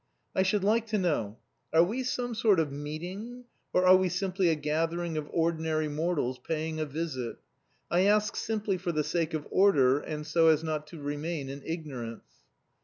"I should like to know, are we some sort of meeting, or are we simply a gathering of ordinary mortals paying a visit? I ask simply for the sake of order and so as not to remain in ignorance."